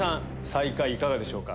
最下位いかがでしょうか？